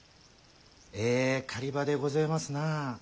ええ狩り場でごぜえますなあ。